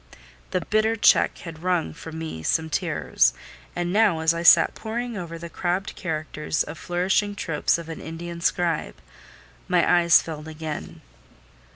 The bitter check had wrung from me some tears; and now, as I sat poring over the crabbed characters and flourishing tropes of an Indian scribe, my eyes filled again.